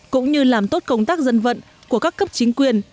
cũng như làm tốt công tác dân vận của các cấp chính quyền